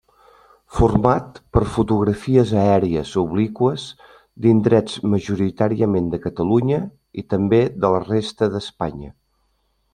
Format per fotografies aèries obliqües d'indrets majoritàriament de Catalunya, i també de la resta d'Espanya.